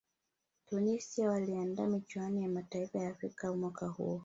tunisia waliandaa michuano ya mataifa ya afrika mwaka huo